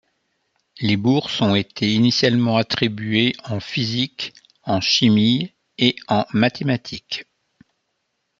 Les bourses ont été initialement attribuées en physique, en chimie et en mathématiques.